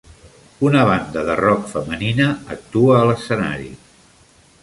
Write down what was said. Una banda de rock femenina actua a l'escenari.